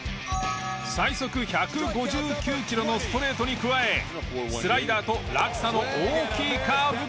最速１５９キロのストレートに加えスライダーと落差の大きいカーブが武器。